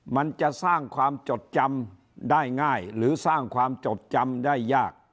มันจะสร้างความจดจำได้ง่ายหรือสร้างความจดจำได้ยาก